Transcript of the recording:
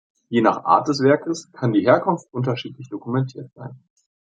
Je nach Art des Werkes kann die Herkunft unterschiedlich dokumentiert sein.